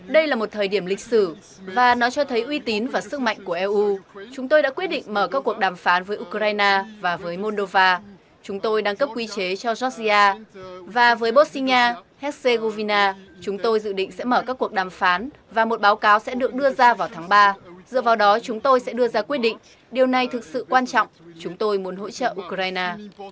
đây là một thời điểm lịch sử và nó cho thấy uy tín và sức mạnh của eu chúng tôi đã quyết định mở các cuộc đàm phán với ukraine và với moldova chúng tôi đăng cấp quy chế cho georgia và với bosnia herzegovina chúng tôi dự định sẽ mở các cuộc đàm phán và một báo cáo sẽ được đưa ra vào tháng ba dựa vào đó chúng tôi sẽ đưa ra quyết định điều này thực sự quan trọng chúng tôi muốn hỗ trợ ukraine